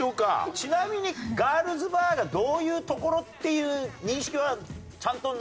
ちなみにガールズバーがどういう所っていう認識はちゃんとなさってます？